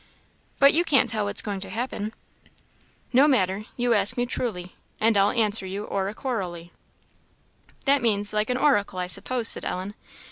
"But you can't tell what's going to happen?" "No matter you ask me truly, and I'll answer you oracularly." "That means, like an oracle, I suppose?" said Ellen.